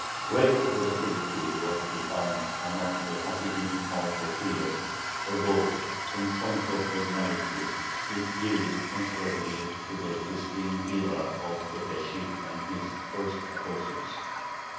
Greater productivity was to be found among the Hasidim of the period, although in point of originality it yielded considerably to the preceding era of the Besht and his first apostles.